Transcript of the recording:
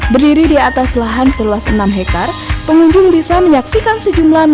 berdiri di atas lahan seluas enam hektare pengunjung bisa menyaksikan sejumlah menu